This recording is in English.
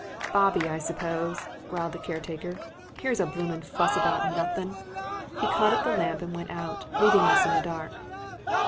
"Bobby, I suppose," growled the caretaker. "Here's a blooming fuss about nothing." He caught up the lamp and went out, leaving us in the dark.